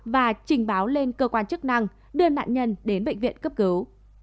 và trình báo lên cơ quan chức năng đưa nạn nhân đến bệnh viện cấp cứu